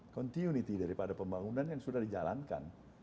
continuity daripada pembangunan yang sudah dijalankan